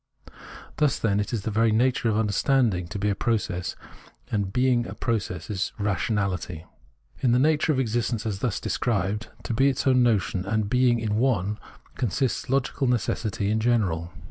Thus, then, it is the very nature of understanding to be a process, and being a process it is Rationahty. In the nature of existence as thus described — to be its own notion and being in one — consists logical necessity in general.